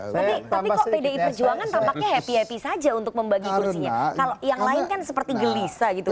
tapi kok pdi perjuangan tampaknya happy happy saja untuk membagi kursinya kalau yang lain kan seperti gelisah gitu